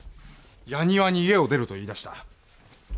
やにわに家を出ると言いだした。